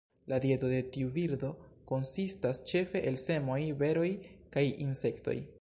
La dieto de tiu birdo konsistas ĉefe el semoj, beroj kaj insektoj.